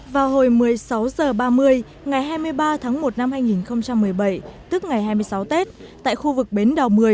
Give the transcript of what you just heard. vào hồi một mươi sáu h ba mươi ngày hai mươi ba tháng một năm hai nghìn một mươi bảy tức ngày hai mươi sáu tết tại khu vực bến đào một mươi